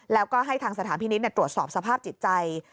แล้วก็ให้ทางสถานพินิษฐ์ตรวจสอบสภาพจิตใจ